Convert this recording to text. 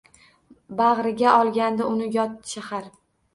Bag’riga olgandi uni yot shahar.